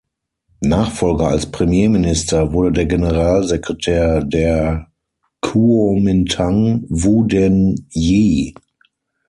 Nachfolger als Premierminister wurde der Generalsekretär der Kuomintang, Wu Den-yih.